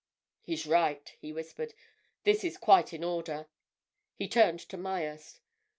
"He's right!" he whispered. "This is quite in order." He turned to Myerst.